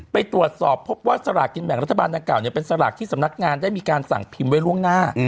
ไปตรวจสอบพบว่าสลากกินแบ่งรัฐบาลดังกล่าวเป็นสลากที่สำนักงานได้มีการสั่งพิมพ์ไว้ล่วงหน้า